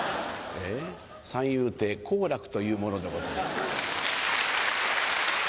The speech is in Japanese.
三遊亭好楽という者でございます。